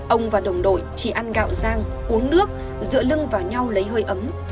ông và đồng đội chỉ ăn gạo giang uống nước dựa lưng vào nhau lấy hơi ấm